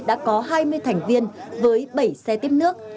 đã có hai mươi thành viên với bảy xe tiếp nước